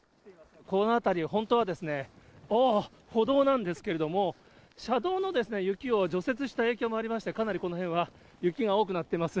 この辺り、本当は、ああっ、歩道なんですけども、車道の雪を除雪した影響もありまして、かなりこのへんは雪が多くなってます。